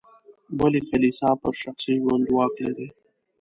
ولې کلیسا پر شخصي ژوند واک لري.